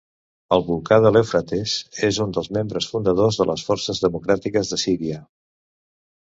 El Volcà de l'Eufrates és un dels membres fundadors de les Forces Democràtiques de Síria.